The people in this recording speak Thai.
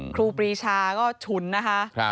ครูปรีชาก็ฉุนนะคะ